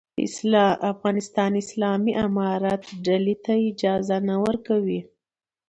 د افغانستان اسلامي امارت ډلې ته اجازه نه ورکوي.